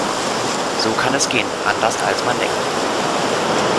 So kann es gehen. Anderst als man denkt.